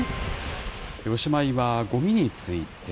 おしまいはごみについて。